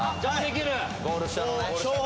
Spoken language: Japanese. ゴール下のね。笑